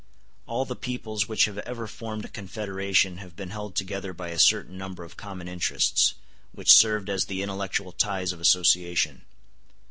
All the peoples which have ever formed a confederation have been held together by a certain number of common interests, which served as the intellectual ties of association.